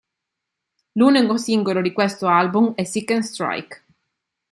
L'unico singolo di questo album è "Seek 'n' Strike".